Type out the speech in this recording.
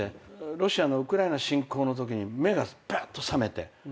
ロシアのウクライナ侵攻のときに目がぴゃっと覚めて。